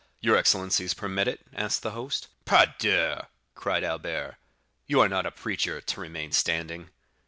"Your excellencies permit it?" asked the host. "Pardieu!" cried Albert, "you are not a preacher, to remain standing!"